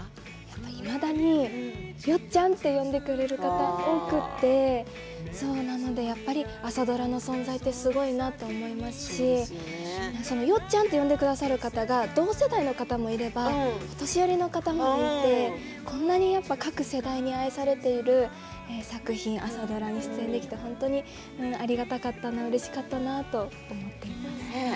いまだに、よっちゃんと呼んでくれる方が多くて朝ドラの存在ってすごいなと思いますしよっちゃんと呼んでくださる方が同世代の方もいればお年寄りの方もいてこんなに各世代に愛されている作品、朝ドラに出演できて本当にありがたかったなうれしかったなと思います。